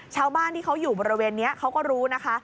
ชาวบ้านที่เขาอยู่บริเวณนี้เขาก็รู้นะคะ